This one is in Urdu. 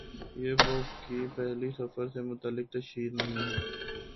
یہ بُک کی پہلی سفر سے متعلقہ تشہیر نہیں ہے